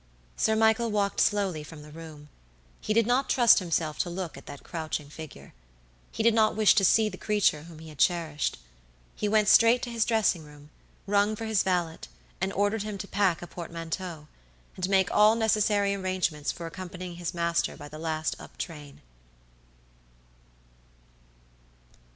Sir Michael walked slowly from the room. He did not trust himself to look at that crouching figure. He did not wish to see the creature whom he had cherished. He went straight to his dressing room, rung for his valet, and ordered him to pack a portmanteau, and make all necessary arrangements for accompanying his master by the last up train.